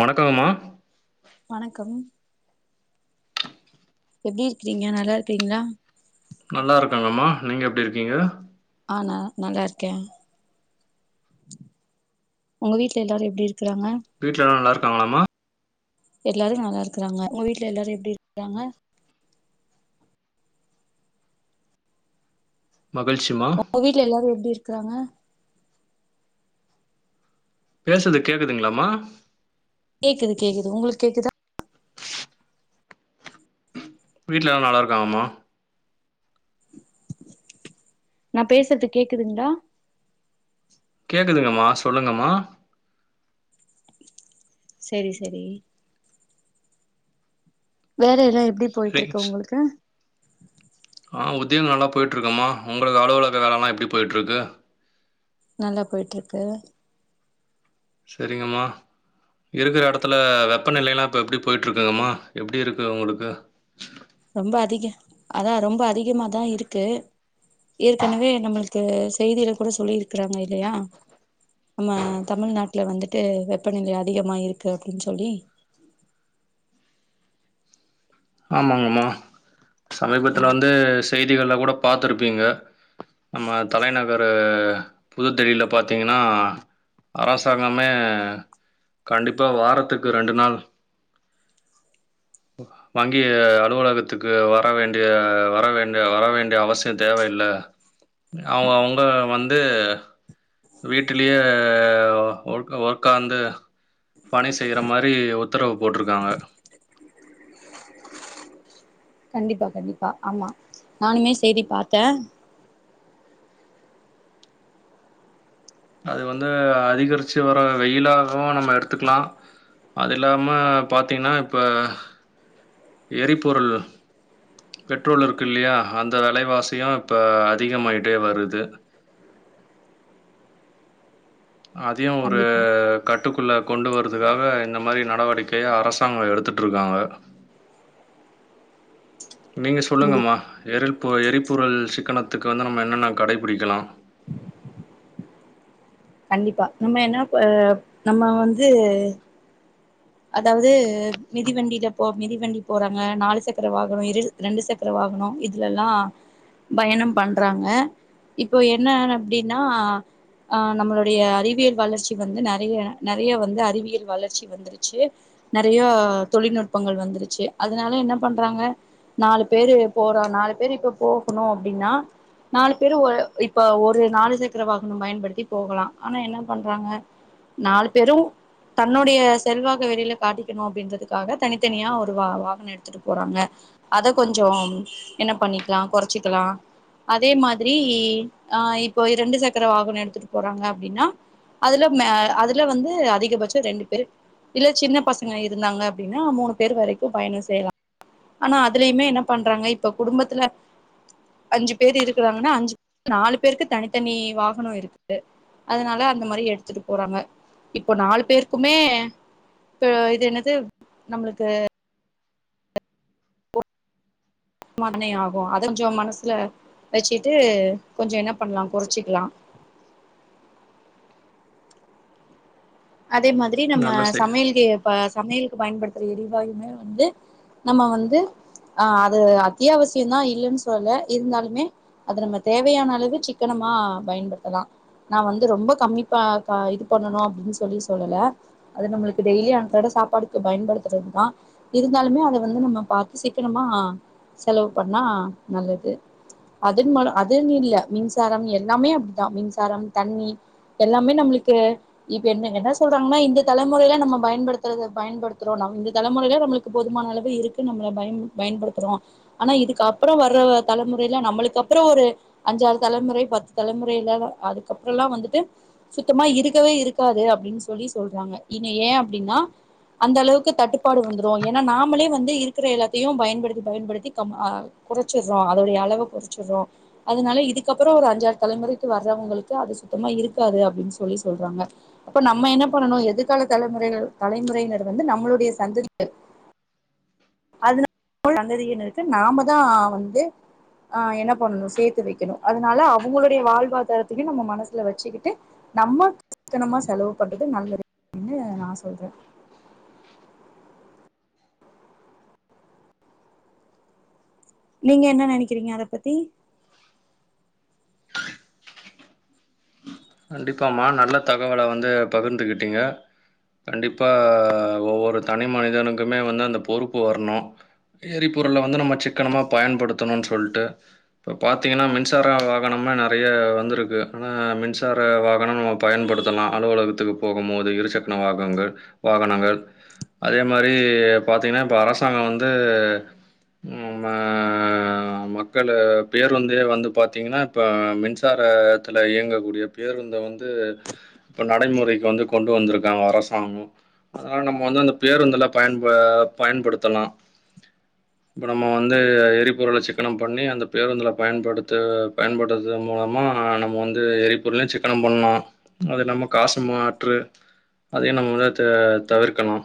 வணக்கங்மா வணக்கம் எப்டி இருக்கிறீங்க நல்லா இருக்கிறீங்களா நல்லா இருக்கங்கம்மா நீங்க எப்டி இருக்கீங்க ஆ, நா நல்லாருக்கே உங்க வீட்ல எல்லாரு எப்டி இருக் வீட்ல எல்லா நல்லாருக் காங்ளாமா எல்லாரு நல்லா இருக்கறாங்க உங்க வீட்ல எல்லாரு எப்டி இருக்கறாங்க மகிழ்ச்சிம்மா. உங்க வீட்ல எல்லாரு எப்டி இரு க்கறாங்க பேசற்து கேக்குதுங்களாமா கேக்குது கேக்குது உங்களுக் கேக்குதா வீட்ல எல்லா நல்லாருக்காங்கமா நா பேசற்து கேக்குதுங்களா கேக்குதுங்கம்மா சொல்லுங்கம்மா செரி செரி வேல எல்லா எப்டி சரிங்க போய்ட்ருக்கு ஸ் உங்களுக்கு ஆ உத்யோகோ நல்லா போய்ட்ருக்கும்மா உங்களுக்கு அலுவலக வேலல்லா எப்டி போய்ட்ருக்கு நல்லா போய்ட்ருக்கு செரிங்கம்மா இருக்கற எடத்துல வெப்பநிலையெல்லா இப்ப எப்டி போய்ட்ருக்குங்கம்மா எப்டி இருக்கு உங்களுக்கு ரொம்ப அதிக அதா ரொம்ப அதிகமாதா இருக்கு ஏற்கனவே நம்மளுக்கு செய்தில கூட சொல்லியிருக்கறாங்க இல்லையா நம்ம தமிழ்நாட்ல வந்துட்டு வெப்பநிலை அதிகமா இருக்கு அப்டின் சொல்லி ஆமாங்கம்மா சமீபத்துல ம் வந்து செய்திகள்ல கூட பாத்துருப்பீங்க நம்ம தலைநகரு அ புதுதெரில பாத்தீங்னா அரசாங்கமே கண்டிப்பா வாரத்துக்கு ரெண்டு நாள் வங்கி அலுவலகத்துக்கு வர வேண்டிய வர வேண் வர வேண்டிய அவசியோ தேவயில்ல அவுங்கவுங்க வந்து வீட்டிலயே ஒக் ஒக்காந்து பணி செய்ற மாரி உத்தரவு போட்ருக்காங்க கண்டிப்பா கண்டிப்பா ஆமா நானுமே செய்தி பாத்தே அது வந்து அதிகரிச்சு வர்ற வெயிலாகவூ நம்ம எடுத்துக்லா அதில்லாம பாத்தீங்னா இப்ப எரிபொருள் பெட்ரோல் இருக்கில்லியா அந்த வெலவாசியூ இப்ப அதிகமாயிட்டே வருது அதையூ ஒரு கண்டிப்பா கட்டுக்குள்ள கொண்டு வர்றதுக்காக இந்த மாரி நடவடிக்கைய அரசாங்கோ எடுத்துட்ருக்காங்க நீங்க கண்டி சொல்லுங்கம்மா எரிப் போ எரிபொருள் சிக்கனத்துக்கு வந்து நம்ம என்னென்ன கடைபிடிக்கணூ கண்டிப்பா நம்ம என்ன ப நம்ம வந்து அதாவ்து மிதிவண்டியில போ மிதிவண்டி போறாங்க நாலு சக்கர வாகனோ இரு ரெண்டு சக்கர வாகனோ இதுலல்லா பயணம் பண்றாங்க இப்ப என்ன அப்டின்னா ஆ நம்ளுடைய அறிவியல் வளர்ச்சி வந்து நெறைய நெறைய வந்து அறிவியல் வளர்ச்சி வந்திரு ச்சு நெறைய தொழில்நுட்பங்கள் வந்துருச்சு அதனால என்ன பண்றாங்க நாலு பேரு போறோ நாலு பேர் இப்ப போகணூ அப்டின்னா. நாலு பேரூ ஒ இப்ப ஒரு நாலு சக்கர வாகனோ பயன்படுத்தி போகலா ஆனா என்ன பண்றாங்க நாலு பேரும் தன்னுடைய செல்வாக்க வெளியில காட்டிக்கணூ அப்படின்றதுக்காக தனித்தனியா ஒரு வாகனோ எடுத்துட்டு போறாங்க அத கொஞ்சோ என்ன பண்ணிக்லா கொறைச்சிக்லா அதே மாத்ரி ஆ இப்போ இரண்டு சக்கர வாகனோ எடுத்துட்டு போறாங்க அப்டின்னா அதுல மே அதுல வந்து அதிகபட்சோ ரெண்டு பேர் இல்ல சின்ன பசங்க இருந்தாங்க அப்டின்னா மூணு பேர் வரைக்கூ பயணோ செய்யலா ஆனா அதுலயுமே என்ன பண்றாங்க இப்ப குடும்பத்துல அஞ்சு பேர் இருக்குறாங்கன்னா அஞ்சு நாலு பேருக்கு தனித்தனி வாகனோ இருக்கு அதனால அந்த மாரி எடுத்துட்டு போறாங்க இப்போ நாலு பேருக்குமே இப்ப இது என்னது நம்ளுக்கு [inaudible] ஆகூ அத கொஞ்சோ மனசுல வச்சுட்டு கொஞ்சோ என்ன பண்லா கொறைச்சிக்லா அதே மாத்ரி நம்ம நல்ல செய் சமியல் கே பாஸ் சமையலுக்கு பயன்படுத்துற எரிவாயுமே வந்து நம்ம வந்து ஆ அது அத்தியாவசியந்தா இல்லனு சொல்லல இருந்தாலுமே அத நம்ம தேவையானளவு சிக்கனமா பயன்படுத்தலா நா வந்து ரொம்ப கம்மிப்பா க இது பண்ணணூ அப்படின் ஸ் சொல்லி சொல்லல அது நம்ளுக்கு டெய்லி அன்றாட சாப்பாடுக்கு பயன்படுத்துறது தா இருந்தாலுமே அத வந்து நம்ம பாத்து சிக்கனமா செலவு பண்ணா நல்லது அதுக்கு மேல அதுன்னு இல்ல மின்சாரம் எல்லாமே அப்டிதா மின்சாரம், தண்ணி எல்லாமே நம்மளுக்கு இப் என்னு என்ன சொல்றாங்கன்னா இந்த தலைமுறையில நம்ம பயன்படுத்துறத பயன்படுத்துறோ நம் இந்த தலைமுறையில நம்ளுக்கு போதுமான அளவு இருக்கு நம்மல பயன் பயன்படுத்துறோ ஆனா இதுக்கு அப்றோ வர்ற தலைமுறைல நம்ளுக்கப்றோ ஒரு அஞ்சாறு தலைமுறை பத்து தலைமுறையில அதுக்கப்றல்லா வந்துட்டு சுத்தமா இருக்கவே இருக் காது அப்டின்னு சொல்லி சொல்றாங்க இங்க ஏன் அப்படின்னா அந்தளவுக்கு தட்டுப்பாடு வந்துரூ ஏன்னா நாமளே வந்து இருக்கிற எல்லாத்தையூ பயன்படுத்தி பயன்படுத்தி கம் அ கொறைச்சிற்றோ அதோடய அளவ கொறைச்சிற்றோம்‌ அத்னால இதுக்கப்றோ ஒரு அஞ்சாறு தலைமுறைக்கு வர்றவங்களுக்கு அது சுத்தமா இருக்காது அப்டின்னு சொல்லி சொல்றாங்க அப்ப நம்ம என்ன பண்ணணூ எதிர்கால தலைமுறைகள் தலைமுறையினர் வந்து நம்ளுடைய சந்ததியினர் அத்னால சந்ததியினருக்கு நாமதா வந்து ஆ என்ன பண்ணணூ சேத்து வெக்கணூ அத்னால அவங்களுடைய வாழ்வாதாரத்தையூ நம்ம மனசுல வச்சுக்கிட்டு நம்ம சிக்கனமா செலவு பண்றது நல்லது அப்டின்னு நா சொல்றே நீங்க என்ன நெனைக்கிறீங்க அதபத்தி கண்டிப்பாம்மா நல்ல தகவல வந்து பகுர்ந்துகிட்டீங்க கண்டிப்பா ஒவ்வொரு தனி மனிதனுக்குமே வந்து அந்த பொறுப்பு வரணூ எரிபொருள வந்து நம்ம சிக்கனமா பயன்படுத்தணூ சொல்லிட்டு இப்ப பாத்தீங்னா மின்சார வாகனோலா நறைய வந்துருக்கு ஆனா மின்ஸ் மின்சார வாகனோ நம்ம பயன்படுத்தலா அலுவலகத்துக்கு போகும்போது இருசக்கன வாகங்கள் வாகனங்கள் அதே மாரி பாத்தீங்னா இப்போ அரசாங்கோ வந்து ம் அ மக்கள பேருந்தே வந்து பாத்தீங்னா இப்போ மின்சாரத்துல இயங்கக்கூடியப் பேருந்த வந்து இப்ப நடைமுறைக்கு வந்து கொண்டு வந்திருக்காங்க அரசாங்கோ அதனால நம்ம வந்து அந்த பேருந்துள பயன்ப பயன்படுத்தலா இப்ப நம்ம வந்து எரிபொருள சிக்கனோ பண்ணி அந்த பேருந்துள பயன்படுத்த பயன்படுத்துறது மூலமா நம்ம வந்து எரிப் பொருள சிக்கனோ பண்ணூ அது நம்ம காசு மாற்று நம்ம வந்து த தவிர்க்கணூ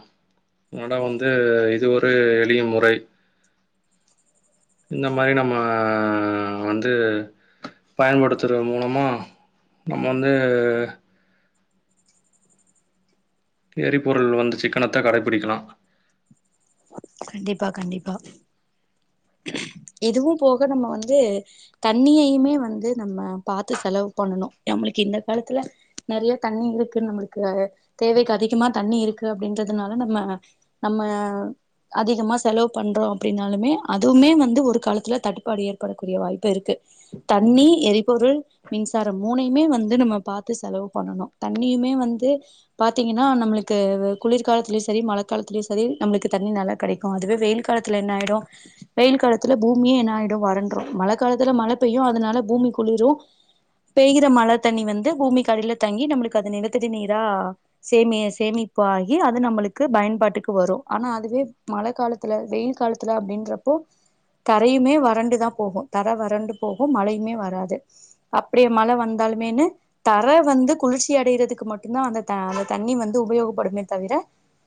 அதோட வந்து இது ஒரு எளிய முறை இந்த மாரி நம்ம ஆ வந்து பயன்படுத்துறது மூலமா நம்ம வந்து எரிபொருள் வந்து சிக்கனத்த கடைபிடிக்கலா கண்டிப்பா கண்டிப்பா இதுவூ போக நம்ம வந்து தண்ணியையுமே வந்து நம்ம பாத்து செலவு பண்ணணூ நம்மளுக்கு இந்த காலத்துல நறைய தண்ணி இருக்கு நம்மளுக்கு தேவைக்கு அதிகமா தண்ணி இருக்கு அப்டின்றதுனால நம்ம நம்ம அதிகமா செலவு பண்றோம அப்டின்னாலுமே அதுவுமே வந் ந்து ஒரு காலத்துல தட்டுப்பாடு ஏற்படக்கூடிய வாய்ப்பு இருக்கு. தண்ணி, எரிபொருள், மின்சாரம், மூனையுமே வந்து நம்ம பாத்து செலவு பண்ணணூ தண்ணியுமே வந்து பாத்தீங்னா நம்ளுக்கு குளிர்காலத்திலயூ செரி மழ காலத்திலயூ செரி நம்ளுக்கு தண்ணி நல்லா கெடைக்கூ அதுவே வெயில் காலத்துல என்னாயிடூ வெயில் காலத் காலத்துல பூமியே என்னாயிடும் வறண்ட்ரூ மழ காலத்துல மழ பெய்யூ அத்னால பூமி குளிரூ பெய்யிற மழ தண்ணி வந்து பூமிக் கடியில தங்கி நம்ளுக்கு அது நிலத்தடி நீரா சேமி சேமிப்பு ஆகி அது நம்மளுக்கு பயன்பாட்டுக்கு வரூ ஆனா அதுவே மழ காலத்துல வெயில் காலத்துல அப்டின்றப்போ தரையுமே வறண்டுதா போகூ தர வறண்டு போகூ மழையுமே வராது அப்படியே மழை வந்தாலுமேன்னு தர வந்து குளிர்ச்சி அடையறதுக்கு மட்டுந்தா அந்த த அந்த தண்ணி வந்து உபயோகப்படுமே தவிர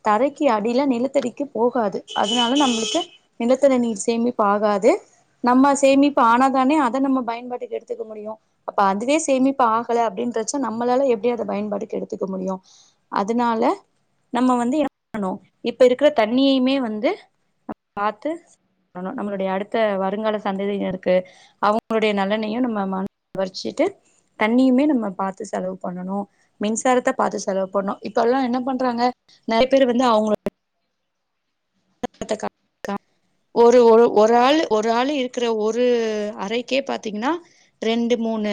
தரைக்கு அடியில நிலத்தடிக்கு போகாது அதனால நம்ளுக்கு நிலத்தடி நீர் சேமி பாகாது நம்ம சேமிப்பு ஆனாதான அத நம்ம பயன்பாட்டுக்கு எடுத்துக்க முடியூ அப்ப அதுவே சேமிப்பு ஆகல அப்படின்றச்ச நம்மளால எப்டி அத பயன்பாட்டுக்கு எடுத்துக்க முடியூ அத்னால நம்ம வந்து என்ன பண்ணணூ இப்ப இருக்கிற தண்ணியயுமே வந்து பாத்து பண்ணூ நம்ளுடைய அடுத்த வருங்கால சந்ததியினருக்கு அவங்களுடைய நலனையூ நம்ம மனசில வச்சிட்டு தண்ணியயுமே நம்ம பாத்து செலவு பண்ணணூ மின்சாரத்த பாத்து செலவு பண்ணணூ இப்பல்லா என்ன பண்றாங்க நறைய பேர் வந்து அவுங் [inaudible] ஒரு ஒரு ஒரு ஆள் ஒரு ஆள் இருக்கிற ஒரு அறைக்கே பாத்தீங்னா ரெண்டு மூணு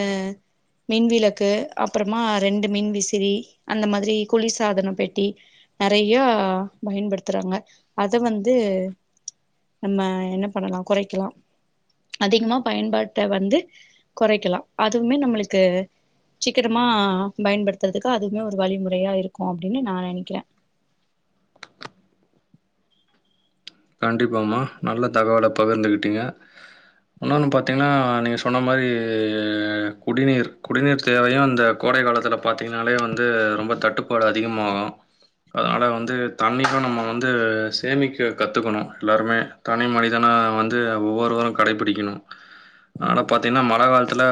மின்விளக்கு, அப்றமா ரெண்டு மின் விசிறி, அந்த மாத்ரி குளிர் சாதனப்பெட்டி நறைய பயன்படுத்துறாங்க அத் து வந்து நம்ம என்ன பண்ணலா கொறைக்கலா அதிகமா பயன்பாட்ட வந்து கொறைக்கலா அதூமே நம்மளுக்கு சீக்கிரமா பயன்படுத்துறதுக்கு அதூமே ஒரு வழிமுறையா இருக்கூ அப்டின்னு நா நெனைக்கிறே கண்டிப்பாமா நல்ல தகவல பகிர்ந்துகிட்டீங்க உற்ன்னொன்னு பாத்தீங்னா நீங்க சொன்ன மாரி குடிநீர் குடிநீர் தேவையூ இந்த கோடை காலத்துல பாத்தீங்னாலே வந்து ரொம்ப தட்டுப்பாடு அதிகமாகூ அதனால வந்து தண்ணிக்கூ நம்ம வந்து சேமிக்க கத்துக்கணூ எல்லாருமே தனி மனிதனா வந்து ஒவ்வொருவரூ கடைபிடிக்கணூ ஆனா பாத்தீங்னா மழ காலத்துல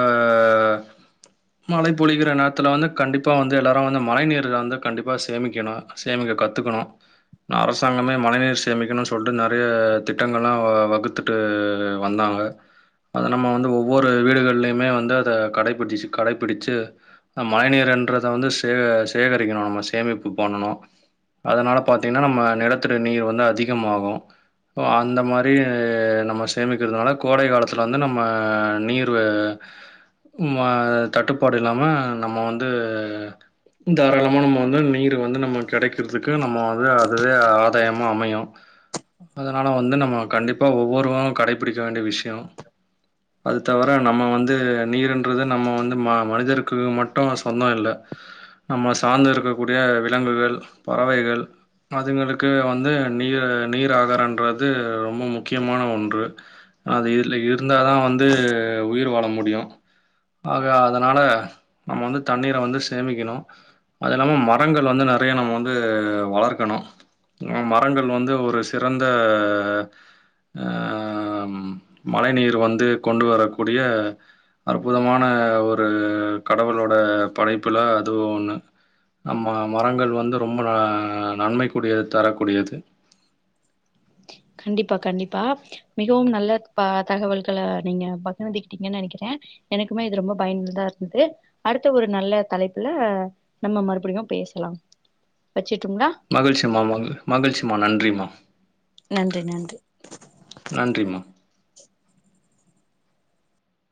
மழை பொழிக்கிற நேரத்துல வந்து கண்டிப்பா வந்து எல்லாரூ வந்து மழை நீர வந்து கண்டிப்பா சேமிக்கணூ சேமிக்க கத்துக்கணூ அரசாங்கமே மழைநீர் ஸ் சேமிக்கணூ சொல்லிட்டு நறைய திட்டங்கள்லா வகுத்துட்டு வந்தாங்க அத நம்ம வந்து ஒவ்வொரு வீடுகள்லயுமே வந்து அத கடைப்பிடிச்சு கடைப்பிடிச்சு மழை நீீரன்றத வந்து சேக சேகரிக்கணூ நம்ம சேமிப்பு பண்ணூ அதனால பாத்தீங்னா நம்ம நெலத்தடி நீர் வந்து அ திகமாகூ அந்த மாரி நம்ம சேமிக்கிறதுனால கோடை காலத்துல வந்து நம்ம நீர் ம தட்டுப்பாடு இல்லாம நம்ம வந்து தாராளமா நம்ம வந்து நீர் வந்து நம்ம கெடைக்கிறதுக்கு நம்ம வந்து அதுவே ஆதாயமா அமையூ அதனால வந்து நம்ம கண்டிப்பா ஒவ்வொருவரூ கடைபிடிக்க வேண்டிய விஷ்யோ அது தவிர நம்ம வந்து நீருன்றது நம்ம வந்து ம மனிதருக்கு மட்டூ சொந்தோ இல்ல நம்ம சாந்து இருக்கக்கூடிய விலங்குகள பறவைகள் அதுங்களுக்கு வந்து நீ நீராகாரன்றது ரொம்ப முக்கியமான ஒன்று அதுல இர் இருந்தா தா வந்து உயிர் வாழ முடியூ ஆக அதனால நம்ம வந்து தண்ணீர வந்து சேமிக்கணூ அது இல்லாம மரங்கள் வந்து நறைய நம்ம வந்து வளர்க்கணூ ம ரங்கள் வந்து ஒரு சிறந்த ஆ மழை நீர் வந்து கொண்டு வரக்கூடிய அற்புதமான ஒரு கடவுளோட படைப்புல அதவூ ஒன்னு நம்ம மரங்கள் வந்து ரொம்ப நன்மைக்குடையது தரக்கூடியது ச [inaudible] கண்டிப்பா கண்டிப்பா மிகவும் நல்ல ப தகவல்களை நீங்க பகிர்திக்கிட்டீங்கன்னு நெனைக்கிறே எனக்குமே இது ரொம்ப பயனுள்ளதா இருந்தது அடுத்த ஒரு நல்ல தலைப்புல நம்ம மறுபடியு பேசலாம் வச்ச மகிழ்ச்சி மா மா மகிழ்ச்சி ம்மா நன்றிம்மா நன்றி நன்றி நன்றிமா